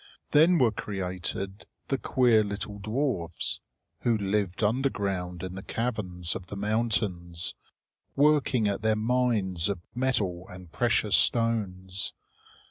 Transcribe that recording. Then were created the queer little dwarfs, who lived underground in the caverns of the mountains, working at their mines of metal and precious stones.